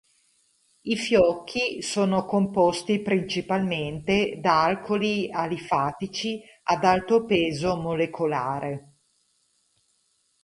I fiocchi sono composti principalmente da alcoli alifatici ad alto peso molecolare.